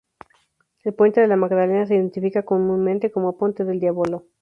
El puente de la Magdalena se identifica comúnmente como "Ponte del Diavolo".